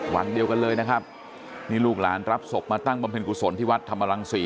วันเดียวกันเลยนะครับนี่ลูกหลานรับศพมาตั้งบำเพ็ญกุศลที่วัดธรรมรังศรี